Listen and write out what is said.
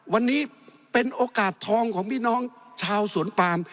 วันนี้เป็นโอกาสทองของพี่น้องชาวสวนปาม